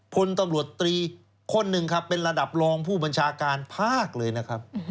พลตำรวจตรีคนหนึ่งครับเป็นระดับรองผู้บัญชาการภาคเลยนะครับ